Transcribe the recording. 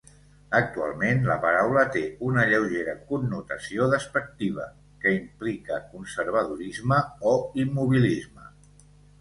Actualment, la paraula té una lleugera connotació despectiva, que implica conservadorisme o immobilisme.